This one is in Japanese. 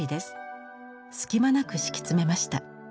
隙間なく敷き詰めました。